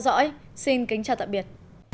kênh của chúng tôi xin kính chào tạm biệt